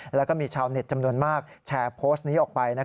แล้วก็มีชาวเน็ตจำนวนมากแชร์โพสต์นี้ออกไป